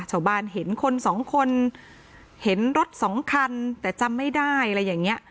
ชาวบ้านเห็นคนสองคนเห็นรถสองคันแต่จำไม่ได้อะไรอย่างเงี้ย